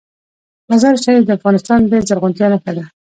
مزارشریف د افغانستان د زرغونتیا نښه ده.